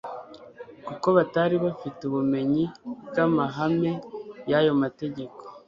kuko batari bafite ubumenyi bw'amahame y'ayo mategeko,